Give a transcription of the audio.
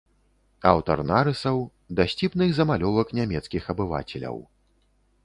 Аўтар нарысаў, дасціпных замалёвак нямецкіх абывацеляў.